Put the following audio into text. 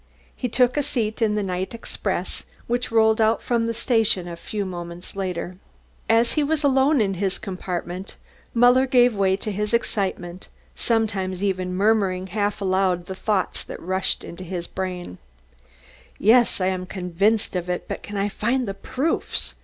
He took a seat in the night express which rolled out from the station a few moments later. As he was alone in his compartment, Muller gave way to his excitement, sometimes even murmuring half aloud the thoughts that rushed through his brain. "Yes, I am convinced of it, but can I find the proofs?"